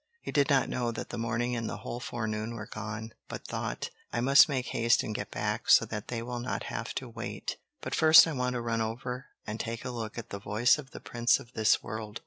He did not know that the morning and the whole forenoon were gone, but thought: "I must make haste and get back, so that they will not have to wait. But first I want to run over and take a look at the Voice of the Prince of this World."